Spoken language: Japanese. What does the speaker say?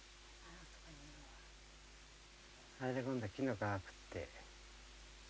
あれで今度は木の皮食って。